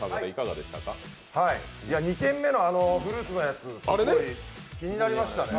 ２店目のフルーツのやつ気になりましたね。